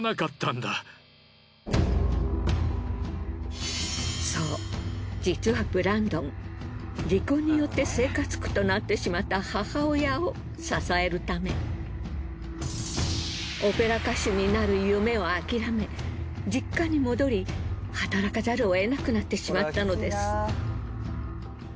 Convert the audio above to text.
しかもそう実はブランドン離婚によって生活苦となってしまった母親を支えるためオペラ歌手になる夢を諦め実家に戻り働かざるを得なくなってしまったのです。